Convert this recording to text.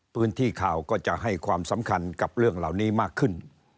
พื้นที่ข่าวก็จะให้ความสำคัญกับเรื่องเหล่านี้มากขึ้น